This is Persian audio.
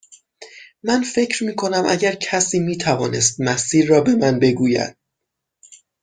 من فکر می کنم اگر کسی می توانست مسیر را به من بگوید.